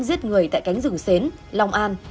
giết người tại cánh rừng xến long an